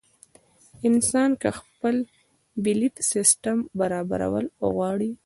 انسان کۀ خپل بيليف سسټم برابرول غواړي